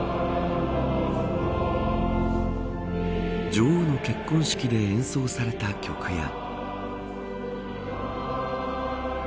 女王の結婚式で演奏された曲や。